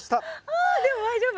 ああでも大丈夫。